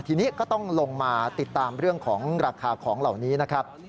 ทีนี้ก็ต้องลงมาติดตามเรื่องของราคาของเหล่านี้นะครับ